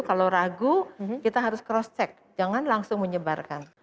kalau ragu kita harus cross check jangan langsung menyebarkan